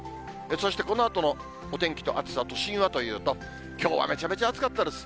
そしてこのあとのお天気と暑さ、都心はというと、きょうはめちゃめちゃ暑かったです。